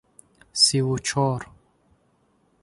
Сиву чор